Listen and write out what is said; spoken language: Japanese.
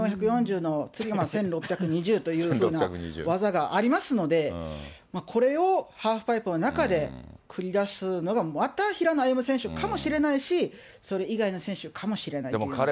１４４０の次は１６２０というふうな技がありますので、これをハーフパイプの中で繰り出すのが、また平野歩夢選手かもしれないし、それ以外の選手かもしれないという。